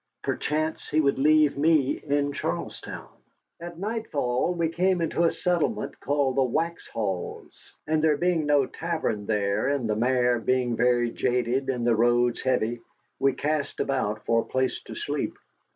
Perchance he would leave me in Charlestown. At nightfall we came into a settlement called the Waxhaws. And there being no tavern there, and the mare being very jaded and the roads heavy, we cast about for a place to sleep.